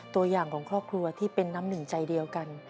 ตัวอย่างของครอบครัวที่เป็นน้ำหนึ่งใจเดียวกัน